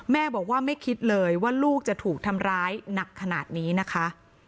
แม่บอกว่าไม่คิดเลยว่าลูกจะถูกทำร้ายหนักขนาดนี้นะคะ